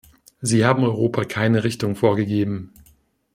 Sie haben Europa keine Richtung vorgegeben.